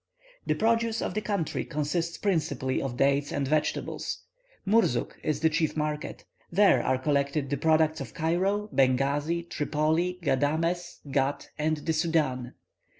The produce of the country consists principally of dates and vegetables. Murzuk is the chief market; there are collected the products of Cairo, Bengazi, Tripoli, Ghâdames, Ghât, and the Soudan.